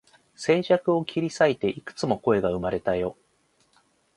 静寂を切り裂いて、幾つも声が生まれたよ